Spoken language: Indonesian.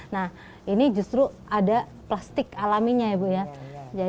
nah ini justru ada plastik alaminya ya bu ya